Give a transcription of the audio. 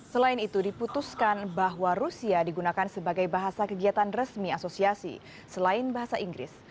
selain itu diputuskan bahwa rusia digunakan sebagai bahasa kegiatan resmi asosiasi selain bahasa inggris